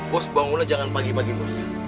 bos bangun aja jangan pagi pagi bos